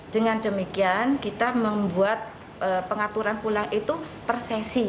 dengan demikian kita membuat pengaturan pulang itu persesi